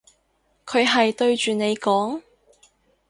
佢係對住你講？